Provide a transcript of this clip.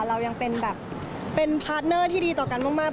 เรายังเป็นแบบเป็นพาร์ทเนอร์ที่ดีต่อกันมาก